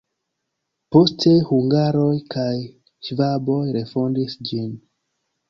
Poste hungaroj kaj ŝvaboj refondis ĝin.